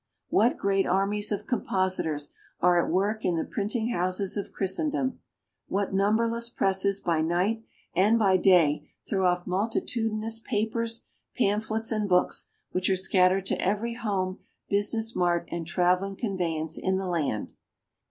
What great armies of compositors are at work in the printing houses of Christendom! What numberless presses by night and by day throw off multitudinous papers, pamphlets, and books, which are scattered to every home, business mart, and travelling conveyance in the land.